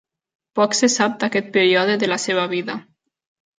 Poc se sap d'aquest període de la seva vida.